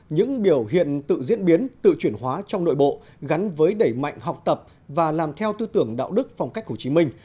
những biểu hiện tự diễn biến tự chuyển hóa trong nội bộ gắn với đẩy mạnh học tập và làm theo tư tưởng đạo đức phong cách hồ chí minh